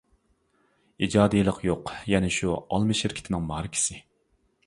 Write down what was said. ئىجادىيلىق يوق، يەنە شۇ ئالما شىركىتىنىڭ ماركىسى.